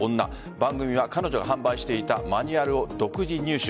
番組は、彼女が販売していたマニュアルを独自入手。